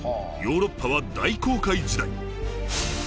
ヨーロッパは大航海時代。